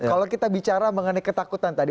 kalau kita bicara mengenai ketakutan tadi